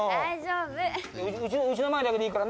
うちの前だけでいいからね。